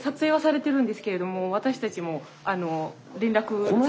私たちも連絡先。